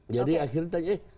jadi akhirnya tanya